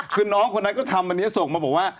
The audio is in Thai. คุณน้องกรยันตร์ก็ทำอันนี้ส่งมา